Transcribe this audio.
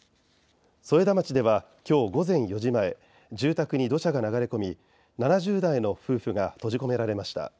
添田町では今日午前４時前住宅に土砂が流れ込み７０代の夫婦が閉じ込められました。